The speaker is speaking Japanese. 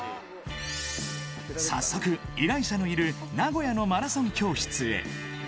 早速、依頼者のいる名古屋のマラソン教室へ。